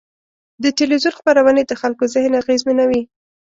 د تلویزیون خپرونې د خلکو ذهن اغېزمنوي.